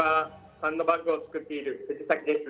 サンドバッグを作っている藤崎です。